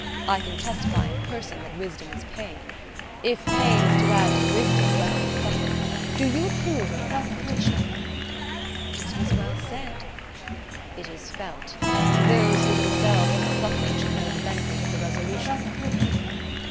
I can testify in person that wisdom is pain. If pain is to add to wisdom, let me suffer! Do you approve of that, Laetitia?" "It is well said." "It is felt. Those who themselves have suffered should know the benefit of the resolution."